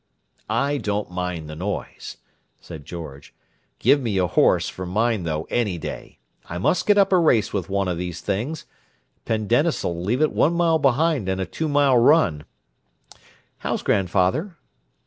"I don't mind the noise," said George. "Give me a horse, for mine, though, any day. I must get up a race with one of these things: Pendennis'll leave it one mile behind in a two mile run. How's grandfather?"